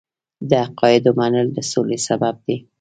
د عقایدو منل د سولې سبب دی.